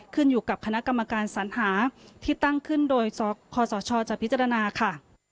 ขึ้นอยู่กับคณะกรรมการสัญหาที่ตั้งขึ้นโดยคศจะพิจารณาค่ะ